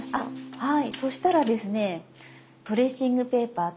はい。